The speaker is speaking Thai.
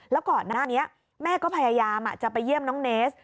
แล้วก่อนหน้านี้แม่ก็พยายามจะไปเยี่ยมน้องเนส